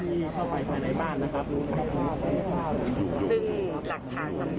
มีการพวบเส้นโผงและมีการพวบเส้นโขงของคนในครอบครัวของน้องชมพู่นะคะ